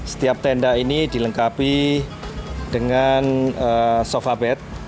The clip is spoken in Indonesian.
setiap tenda ini dilengkapi dengan sofa bed